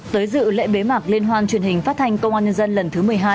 tới dự lễ bế mạc liên hoan truyền hình phát thanh công an nhân dân lần thứ một mươi hai